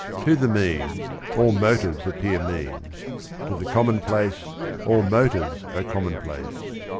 To the mean, all motives appear mean; to the commonplace, all motives are commonplace.